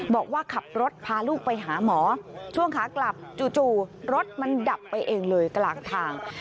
บอกว่าขับรถพาลูกไปหาหมอช่วงขากลับจู่รถมันดับไปเองเลยกลางทาง